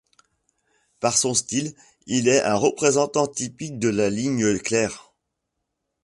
Par son style, il est un représentant typique de la ligne claire.